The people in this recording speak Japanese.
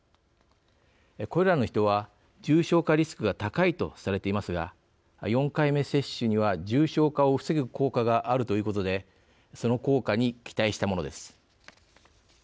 これらの人は重症化リスクが高いとされていますが４回目接種には重症化を防ぐ効果があるということでその効果に期待したものです。